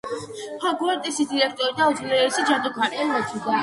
ჰოგვორტსის დირექტორი და უძლიერესი ჯადოქარი.